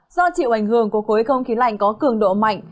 do chịu ảnh hưởng của khối không khí lạnh có cường độ mạnh